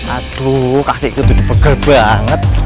aduh kakak itu tuh dipegel banget